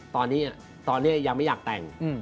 ตอนนี้ยังไม่อยากแต่ง